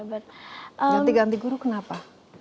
ganti ganti guru kenapa